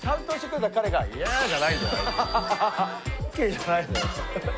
ＯＫじゃないのよ。